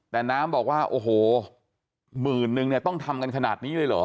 แต่น้ำบอกว่าโอ้โหหมื่นนึงเนี่ยต้องทำกันขนาดนี้เลยเหรอ